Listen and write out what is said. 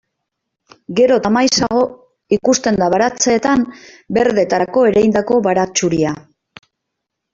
Gero eta maizago ikusten da baratzeetan berdetarako ereindako baratxuria.